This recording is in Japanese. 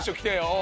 お！